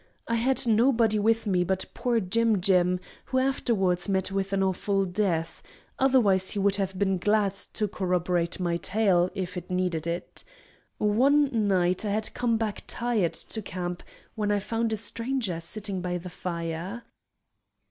I had nobody with me but poor Jim jim, who afterwards met with an awful death, otherwise he would have been glad to corroborate my tale, if it needed it. One night I had come back tired to camp, when I found a stranger sitting by the fire.